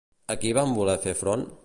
A qui va voler fer front?